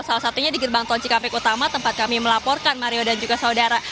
salah satunya di gerbang tol cikampek utama tempat kami melaporkan mario dan juga saudara